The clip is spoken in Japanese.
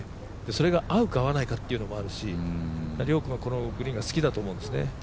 それが合うか合わないかというのもあるし遼君はこのグリーンが好きだと思うんですね。